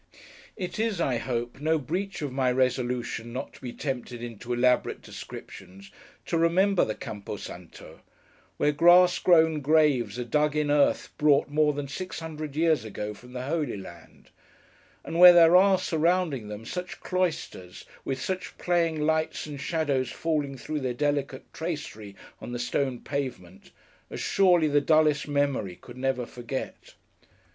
It is, I hope, no breach of my resolution not to be tempted into elaborate descriptions, to remember the Campo Santo; where grass grown graves are dug in earth brought more than six hundred years ago, from the Holy Land; and where there are, surrounding them, such cloisters, with such playing lights and shadows falling through their delicate tracery on the stone pavement, as surely the dullest memory could never forget.